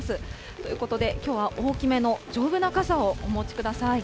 ということできょうは大きめの丈夫な傘をお持ちください。